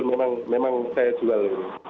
betul betul memang saya jual ini